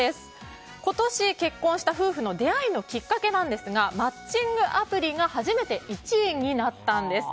今年結婚した夫婦の出会いのきっかけですがマッチングアプリが初めて１位になったんです。